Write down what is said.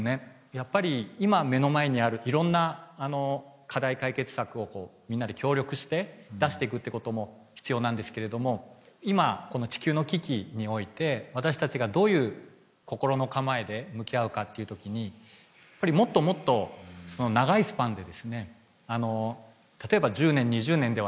やっぱり今目の前にあるいろんな課題解決策をみんなで協力して出してくってことも必要なんですけれども今この地球の危機において私たちがどういう心の構えで向き合うかっていう時にやっぱりもっともっと長いスパンでですね